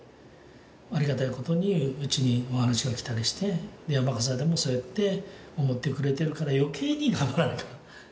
ありがたいことにうちにお話がきたりして山笠でもそうやって思ってくれているから余計に頑張らないかん。